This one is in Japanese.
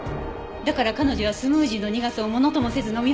だから彼女はスムージーの苦さをものともせず飲み干せた。